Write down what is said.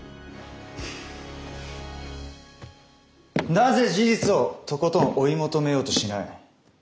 なぜ事実をとことん追い求めようとしない。